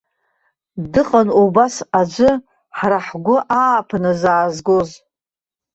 Дыҟан убас аӡәы, ҳара ҳгәы ааԥын азаазгоз.